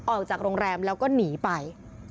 ออกจากโรงแรมแล้วก็หนีไป